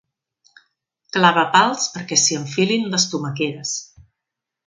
Clava pals perquè s'hi enfilin les tomaqueres.